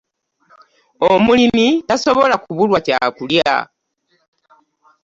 Omulimi tasobola kubulwa kyakulya.